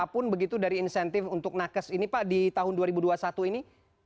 apapun begitu dari insentif untuk nakes ini pak di tahun dua ribu dua puluh satu ini